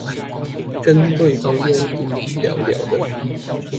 跟對方用英語聊聊的